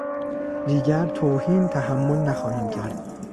دیگر توهین تحمل نخواهیم کرد!